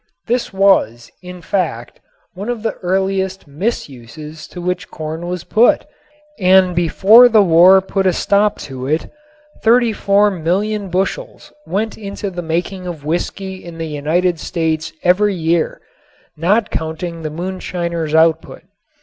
This was, in fact, one of the earliest misuses to which corn was put, and before the war put a stop to it 34,000,000 bushels went into the making of whiskey in the United States every year, not counting the moonshiners' output.